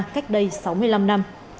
cách đây sáu mươi năm năm